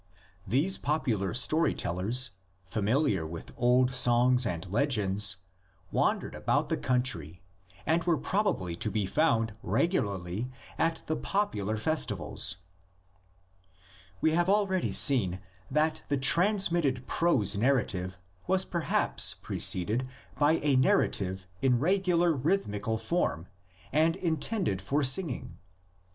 These popular story tellers, familiar with old songs and legends, wandered about the country, and were probably to be found regularly at the popular festivals. We have already seen (page 38) that the trans mitted prose narrative was perhaps preceded by a narrative in regular rhythmical form and intended for singing.